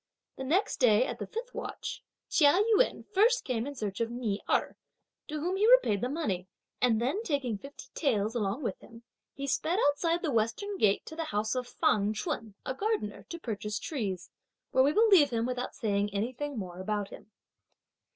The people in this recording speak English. The next day, at the fifth watch, Chia Yun first came in search of Ni Erh, to whom he repaid the money, and then taking fifty taels along with him, he sped outside the western gate to the house of Fang Ch'un, a gardener, to purchase trees, where we will leave him without saying anything more about him.